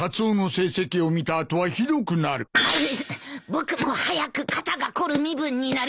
僕も早く肩が凝る身分になりたいよ。